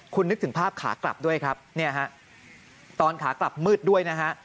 คุณนึกถึงภาพขากลับด้วยครับเนี่ยฮะตอนขากลับมืดด้วยนะฮะ